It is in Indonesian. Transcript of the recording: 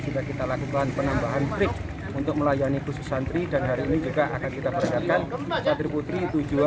tiga kali sedekat menjadi setiap hari